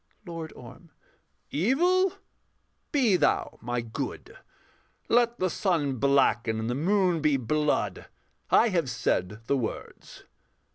LORD ORM. Evil, be thou my good; Let the sun blacken and the moon be blood: I have said the words.